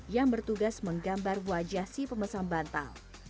yang bertugas menggambar wajah